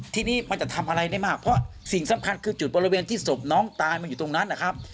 ทีนี้มันจะทำอะไรได้มากเพราะสิ่งสำคัญคือจุดบริเวณที่ศพน้องตายมันอยู่ตรงนั้นนะครับ